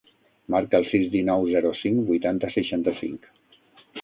Marca el sis, dinou, zero, cinc, vuitanta, seixanta-cinc.